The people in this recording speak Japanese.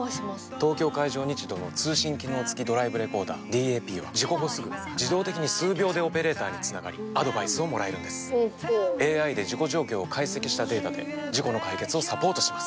東京海上日動の通信機能付きドライブレコーダーＤＡＰは事故後すぐ自動的に数秒でオペレーターにつながりアドバイスをもらえるんですＡＩで事故状況を解析したデータで事故の解決をサポートします